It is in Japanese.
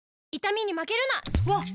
わっ！